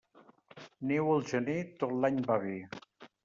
Neu al gener, tot l'any va bé.